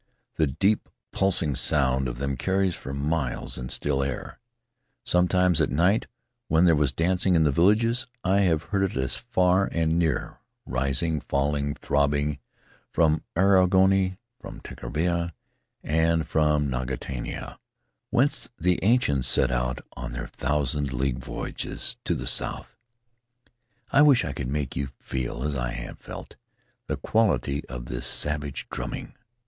The deep pulsing sound of them carries for miles in still air; sometimes at night, when there was dancing in the villages, I have heard it far and near, rising, falling, throbbing, from Arorangi, from Titikaveka, and from Ngatangiia, whence the ancients set out on their thousand league voyages to the south. I wish I could make you feel, as I have felt, the quality of this savage drumming.